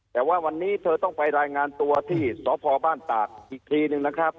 แต่ว่าวันนี้เธอต้องไปรายงานตัวที่สพบ้านตากอีกทีหนึ่งนะครับ